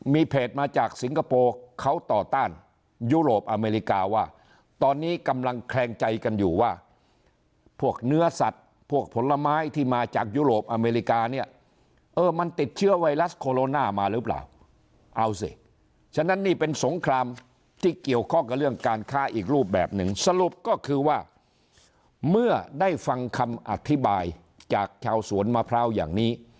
มีเพจมาจากสิงคโปร์เขาต่อต้านยุโรปอเมริกาว่าตอนนี้กำลังแคลงใจกันอยู่ว่าพวกเนื้อสัตว์พวกผลไม้ที่มาจากยุโรปอเมริกาเนี่ยเออมันติดเชื้อไวรัสโคโรนามาหรือเปล่าเอาสิฉะนั้นนี่เป็นสงครามที่เกี่ยวข้องกับเรื่องการค้าอีกรูปแบบหนึ่งสรุปก็คือว่าเมื่อได้ฟังคำอธิบายจากชาวสวนมะพร้าวอย่างนี้